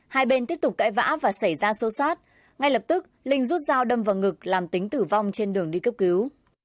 hai bên tiếp tục cãi vã và xảy ra xô xát ngay lập tức linh rút dao đâm vào ngực làm tính tử vong trên đường đi cấp cứu